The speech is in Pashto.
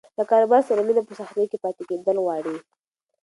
له کاروبار سره مینه په سختۍ کې پاتې کېدل غواړي.